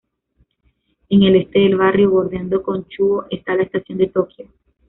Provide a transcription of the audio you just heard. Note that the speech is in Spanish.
En el este del barrio, bordeando con Chūō está la Estación de Tokio.